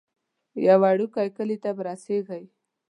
یو وړوکی کلی ته به رسیږئ.